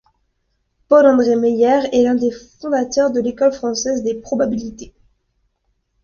Paul-André Meyer est l'un des fondateurs de l'école française des probabilités.